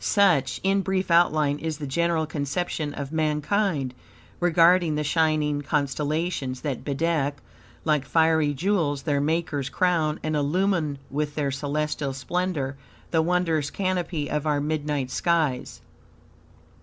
Such, in brief outline, is the general conception of mankind regarding the shining constellations that bedeck, like fiery jewels, their Maker's crown, and illumine with their celestial splendor the wondrous canopy of our midnight skies.